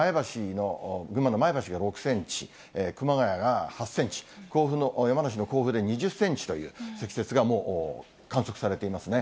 群馬の前橋が６センチ、熊谷が８センチ、山梨の甲府で２０センチという積雪が、もう観測されていますね。